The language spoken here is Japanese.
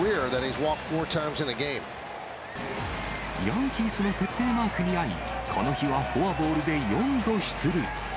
ヤンキースの徹底マークにあい、この日はフォアボールで４度出塁。